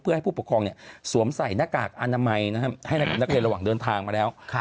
เพื่อให้ผู้ปกครองสวมใส่หน้ากากอนามัยให้กับนักเรียนระหว่างเดินทางมาแล้ว